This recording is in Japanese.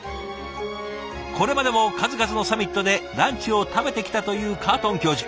これまでも数々のサミットでランチを食べてきたというカートン教授。